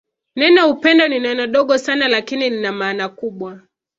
Neno upendo ni neno dogo sana lakini lina maana kubwa